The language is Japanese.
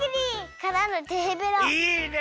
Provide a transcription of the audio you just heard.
いいね！